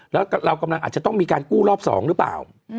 แล้วเรากำลังอาจจะต้องมีการกู้รอบ๒หรือเปล่า